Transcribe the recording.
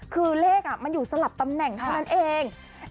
คือเลขมันอยู่สลับตำแหน่งเท่านั้นเอง